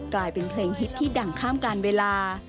กลายเป็นเพลงฮิตที่ดังข้ามการเวลา